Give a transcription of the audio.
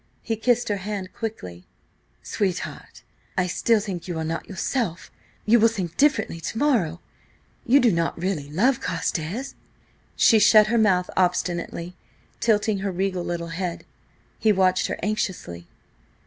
He kissed her hand quickly "Sweetheart! ... I still think you are not yourself. You will think differently to morrow–you do not really love Carstares." She shut her mouth obstinately, tilting her regal little head. He watched her anxiously.